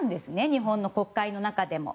日本の国会の中でも。